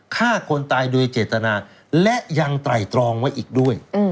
ฆ่าคนตายโดยเจตนาและยังไตรตรองไว้อีกด้วย